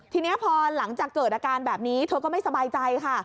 ทีนี้พอหลังจากเกิดอาการแบบนี้เธอก็ไม่สบายใจค่ะ